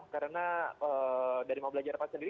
karena dari mau belajar rapat sendiri